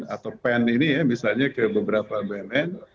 atau pen ini ya misalnya ke beberapa bnn